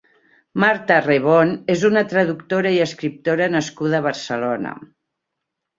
Marta Rebón és una traductora i escriptora nascuda a Barcelona.